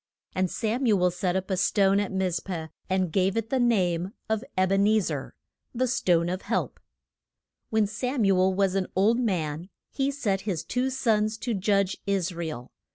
And Sam u el set up a stone at Miz peh, and gave it the name of Eb en e zer "The Stone of Help." When Sam u el was an old man he set his two sons to judge Is ra el.